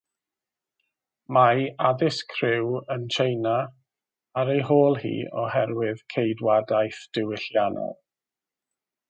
Mae addysg rhyw addysg rhyw yn Tsieina ar ei hôl hi oherwydd ceidwadaeth ddiwylliannol.